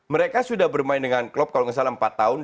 mereka sudah bermain dengan klub kalau nggak salah empat tahun